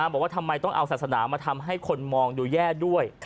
บอกว่าทำไมต้องเอาศาสนามาทำให้คนมองดูแย่ด้วย